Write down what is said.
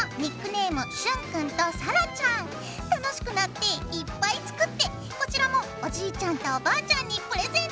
楽しくなっていっぱい作ってこちらもおじいちゃんとおばあちゃんにプレゼント！